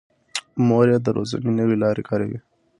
مور یې د روزنې نوې لارې کاروي.